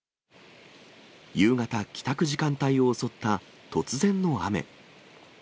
夕方、帰宅時間帯を襲った突然の雨。